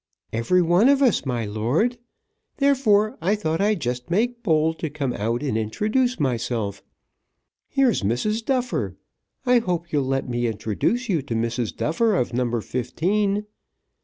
"Every one of us, my lord. Therefore I thought I'd just make bold to come out and introduce myself. Here's Mrs. Duffer. I hope you'll let me introduce you to Mrs. Duffer of No. 15. Mrs.